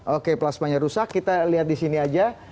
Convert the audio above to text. oke plasmanya rusak kita lihat di sini aja